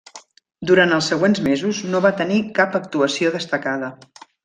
Durant els següents mesos no va tenir cap actuació destacada.